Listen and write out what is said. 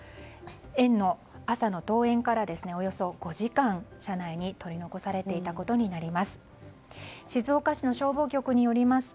園の朝の登園からおよそ５時間、車内に取り残されていたことになります。